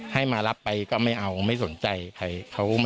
ให้มารับไปก็ไม่เอาไม่สนใจใคร